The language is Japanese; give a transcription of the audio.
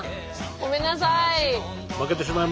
ごめんなさい。